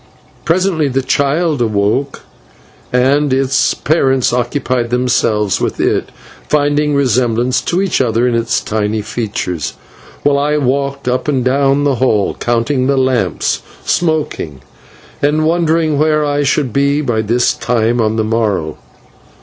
Presently the child awoke, and its parents occupied themselves with it, finding resemblance to each other in its tiny features, while I walked up and down the hall, counting the lamps, smoking, and wondering where I should be by this time on the morrow.